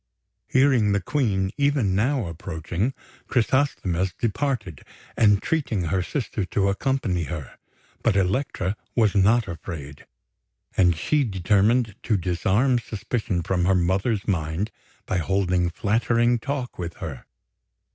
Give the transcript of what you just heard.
Hearing the Queen even now approaching, Chrysosthemis departed, entreating her sister to accompany her; but Elektra was not afraid, and she determined to disarm suspicion from her mother's mind by holding flattering talk with her.